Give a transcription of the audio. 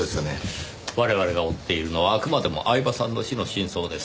我々が追っているのはあくまでも饗庭さんの死の真相です。